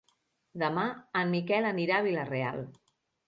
Demà en Miquel anirà a Vila-real.